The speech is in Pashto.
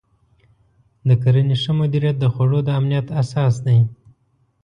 د کرنې ښه مدیریت د خوړو د امنیت اساس دی.